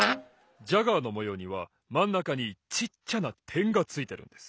ジャガーのもようにはまんなかにちっちゃなてんがついてるんです！